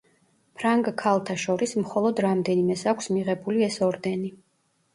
ფრანგ ქალთა შორის მხოლოდ რამდენიმეს აქვს მიღებული ეს ორდენი.